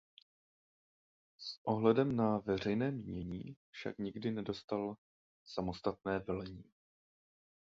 S ohledem na veřejné mínění však nikdy nedostal samostatné velení.